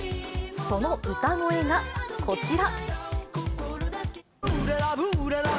その歌声がこちら。